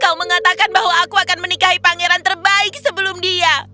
kau mengatakan bahwa aku akan menikahi pangeran terbaik sebelum dia